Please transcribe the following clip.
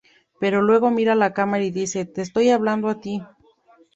Pero luego mira la cámara y dice: "Te estoy hablando a ti.